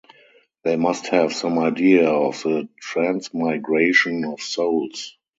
They must have some idea of the transmigration of souls.